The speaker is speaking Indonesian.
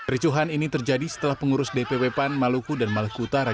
ricuhan ini terjadi setelah pengurus dpw pan maluku dan maluku utara